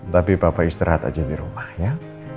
tapi bapak istirahat aja di rumah ya